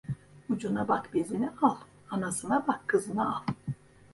Ucuna bak bezini al, anasına bak kızını al.